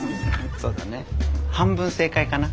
そうだね半分正解かな。